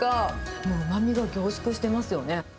もううまみが凝縮してますよね。